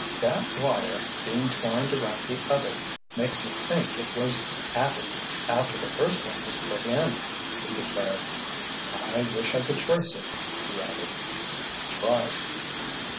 "That wire, being twined around the other, makes me think it was added—after the first one was put in," he declared. "I wish I could trace it," he added. He tried.